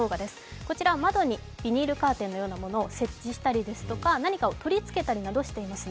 こちらは窓にビニールカーテンのようなものを設置したりとか、何かを取り付けたりなどしていますね。